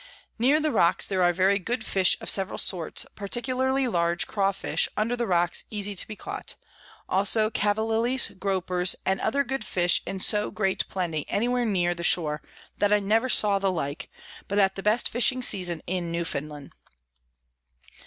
Near the Rocks there are very good Fish of several sorts, particularly large Craw fish under the Rocks easy to be caught; also Cavallies, Gropers, and other good Fish in so great plenty any where near the Shore, that I never saw the like, but at the best fishing Season in Newfoundland.